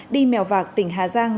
đi mèo vạc tỉnh hà giang